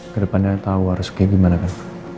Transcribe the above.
ke depannya tahu harus kayak gimana pak